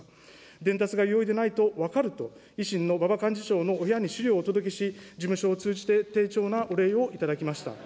伝達が容易でないと分かると、維新の馬場幹事長のお部屋に資料をお届けし、事務所を通じて、丁重なお礼を頂きました。